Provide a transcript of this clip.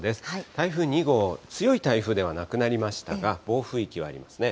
台風２号、強い台風ではなくなりましたが、暴風域はありますね。